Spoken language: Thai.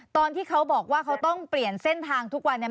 ตอนที่เขาบอกว่าเขาต้องเปลี่ยนเส้นทางทุกวันเนี่ย